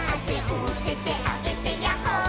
「おててあげてやっほー☆」